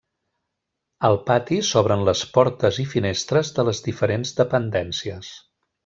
Al pati s'obren les portes i finestres de les diferents dependències.